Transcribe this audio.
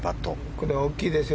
これ、大きいですよ。